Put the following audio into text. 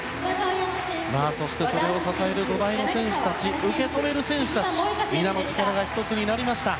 そしてそれを支える土台の選手たち受け止める選手たち皆の力が１つになりました。